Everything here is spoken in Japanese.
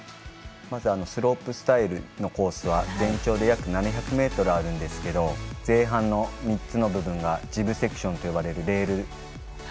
まずスロープスタイルのコースは全長で約７００ｍあるんですが前半の３つの部分がジブセクションと呼ばれるレール。